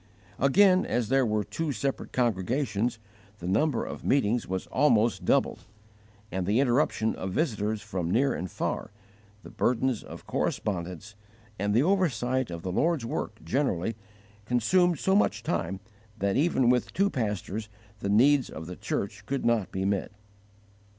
Again, as there were two separate congregations, the number of meetings was almost doubled; and the interruptions of visitors from near and far, the burdens of correspondence, and the oversight of the Lord's work generally, consumed so much time that even with two pastors the needs of the church could not be met.